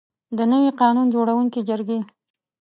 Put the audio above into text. د نوي قانون جوړوونکي جرګې.